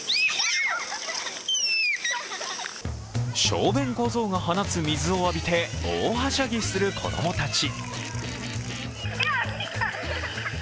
小便小僧が放つ水を浴びて大はしゃぎする子供たち。